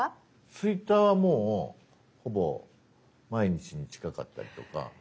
Ｔｗｉｔｔｅｒはもうほぼ毎日に近かったりとか。